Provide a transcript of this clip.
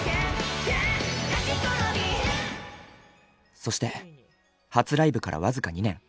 そして初ライブから僅か２年。